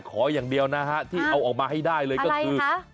ขออย่างเดียวนะฮะที่เอาออกมาให้ได้เลยก็คือ